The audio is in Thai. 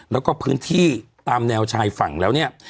แล้วก็พื้นที่ตามแนวชายฝั่งแล้วเนี่ย